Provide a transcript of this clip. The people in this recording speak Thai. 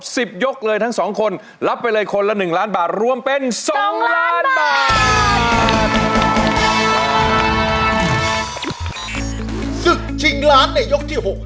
ศึกชิงลาทในยกที่หก